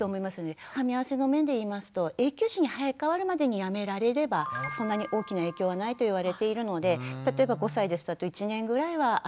かみ合わせの面でいいますと永久歯に生え変わるまでにやめられればそんなに大きな影響はないといわれているので例えば５歳ですとあと１年ぐらいはあるかな